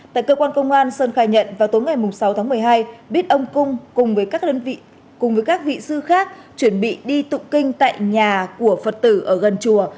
tại cơ quan công an sơn khai nhận vào tối ngày sáu tháng một mươi hai biết ông cung cùng với các vị sư khác chuẩn bị đi tụ kinh tại nhà của phật tử ở gần chùa